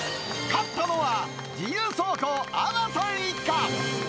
勝ったのは、自由走行、安和さん一家。